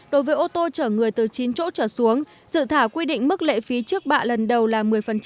đối với ô tô chở người từ chín chỗ trở xuống dự thảo quy định mức lệ phí trước bạ lần đầu là một mươi